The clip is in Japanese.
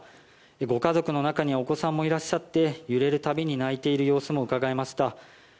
ご家族の中にはお子さんもいらっしゃって揺れるたびに泣いている様子も見られました。